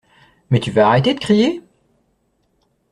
Mais tu vas arrêter de crier?!